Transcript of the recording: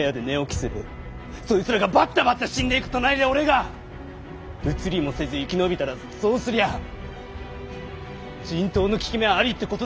そいつらがばったばった死んでいく隣で俺がうつりもせず生き延びたらそうすりゃあ人痘の効き目はありってことだよな。